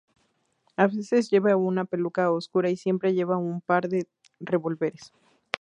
A veces lleva una peluca oscura y siempre lleva un par de revólveres".